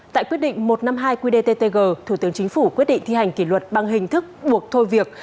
tại quyết định một trăm năm mươi hai qdttg thủ tướng chính phủ quyết định thi hành kỷ luật bằng hình thức buộc thôi việc